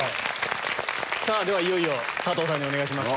ではいよいよ佐藤さんにお願いします。